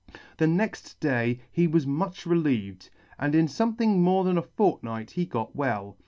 The next day he was much relieved, and in fome thing more than a fortnight got well.